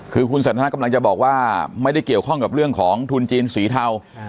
คือคุณสันทนากำลังจะบอกว่าไม่ได้เกี่ยวข้องกับเรื่องของทุนจีนสีเทา